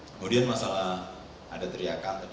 kemudian masalah ada teriakan